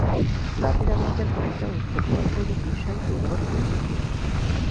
লাতিন আমেরিকার কবিতা ও ছোটগল্প এবং রুশ সাহিত্য অনুবাদ করেছেন তিনি।